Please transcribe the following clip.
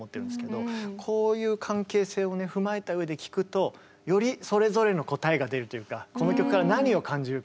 こういう関係性を踏まえた上で聴くとよりそれぞれの答えが出るというかこの曲から何を感じるか。